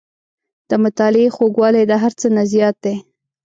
• د مطالعې خوږوالی د هر څه نه زیات دی.